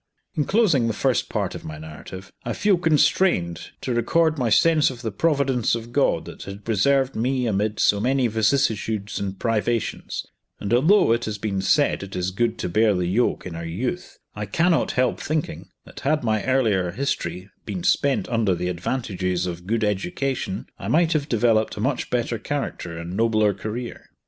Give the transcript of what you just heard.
In closing the first part of my narrative, I feel constrained to record my sense of the Providence of God that had preserved me amid so many vicissitudes and privations, and although it has been said it is good to bear the yoke in our youth, I cannot help thinking that had my earlier history been spent under the advantages of good education I might have developed a much better character and nobler career.